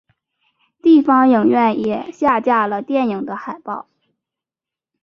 地方影院也下架了电影的海报。